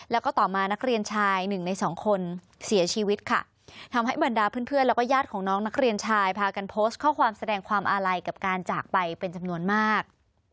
แล้วก็ต่อมานักเรียนชายหนึ่งในสองคนเสียชีวิตค่ะทำให้บรรดาเพื่อนแล้วก็ญาติของน้องนักเรียนชายพากันโพสต์ข้อความแสดงความอาลัยกับการจากไปเป็นจำนวนมาก